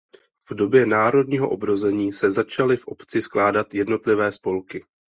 V době národního obrození se začaly v obci zakládat jednotlivé spolky.